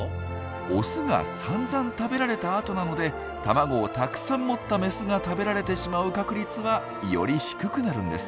オスがさんざん食べられたあとなので卵をたくさん持ったメスが食べられてしまう確率はより低くなるんです。